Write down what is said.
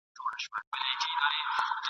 ډار به واچوي په زړوکي !.